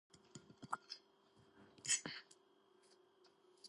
კუნძულებზე არის შაქრის ლერწმის, კაკაოს, ბანანის პლანტაციები.